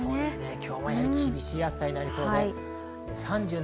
今日も厳しい暑さになりそうです。